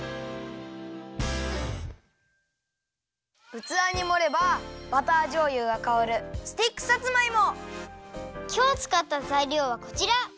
うつわにもればバターじょうゆがかおるきょうつかったざいりょうはこちら！